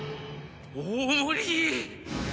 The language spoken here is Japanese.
大盛り。